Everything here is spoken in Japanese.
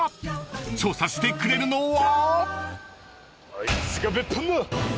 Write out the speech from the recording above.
［調査してくれるのは？］